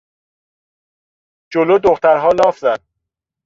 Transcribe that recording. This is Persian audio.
جلو دخترها لاف زد.